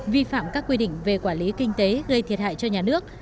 vi phạm các quy định về quản lý kinh tế gây thiệt hại cho nhà nước